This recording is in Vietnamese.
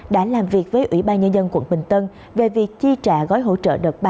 đã làm việc với ủy ban nhân dân quận bình tân về việc chi trả gói hỗ trợ đợt ba